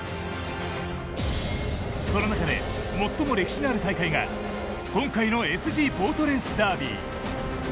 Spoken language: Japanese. その中で最も歴史のある大会が今回のＳＧボートレースダービー。